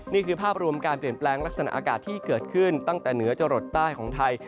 นี่คือภาพรวมการเปลี่ยนแปลงลักษณะอากาศที่เกิดขึ้นตั้งแต่เหนือจรดใต้ของไทย